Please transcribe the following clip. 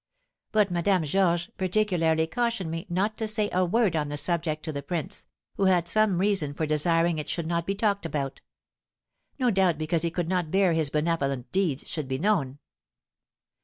But Madame Georges particularly cautioned me not to say a word on the subject to the prince, who had some reason for desiring it should not be talked about, no doubt because he could not bear his benevolent deeds should be known.